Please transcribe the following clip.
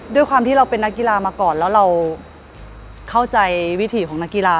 ด้วยความที่เราเป็นนักกีฬามาก่อนแล้วเราเข้าใจวิถีของนักกีฬา